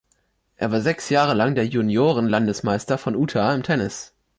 Er war sechs Jahre lang der Junioren-Landesmeister von Utah im Tennis.